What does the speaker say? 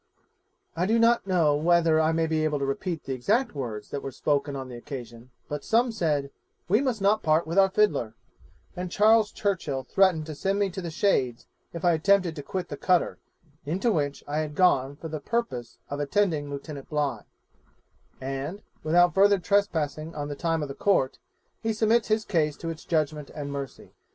'I do not know whether I may be able to repeat the exact words that were spoken on the occasion, but some said, "We must not part with our fiddler"; and Charles Churchill threatened to send me to the shades if I attempted to quit the cutter, into which I had gone for the purpose of attending Lieutenant Bligh': and, without further trespassing on the time of the Court, he submits his case to its judgement and mercy.